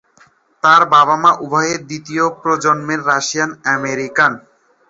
তার বাবা-মা উভয়েই দ্বিতীয় প্রজন্মের রাশিয়ান আমেরিকান।